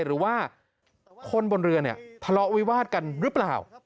หรือว่าคนบนเรือเนี่ยทะเลาะวิวาดกันหรือเปล่า